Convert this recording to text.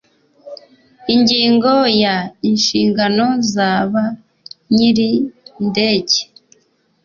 Ingingo ya Inshingano za ba nyir indege